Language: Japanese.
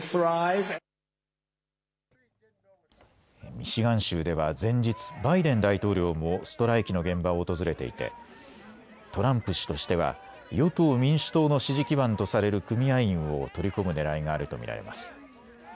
ミシガン州では前日バイデン大統領もストライキの現場を訪れていてトランプ氏としては与党・民主党の支持基盤とされる組合員を取り込むねらいがあると見られます。